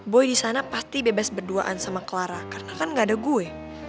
boy di sana pasti bebas berduaan sama clara karena kan gak ada gue